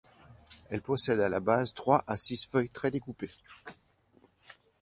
Elle possède à la base trois à six feuilles très découpées.